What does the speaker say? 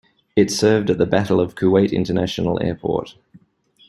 It served at the Battle of Kuwait International Airport.